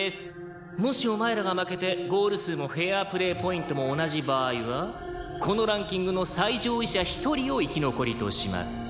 「もしお前らが負けてゴール数もフェアプレーポイントも同じ場合はこのランキングの最上位者１人を生き残りとします」